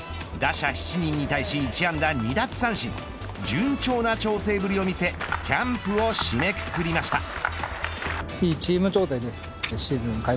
打者７人に対し１安打２奪三振順調な調整ぶりを見せキャンプを締めくくりました。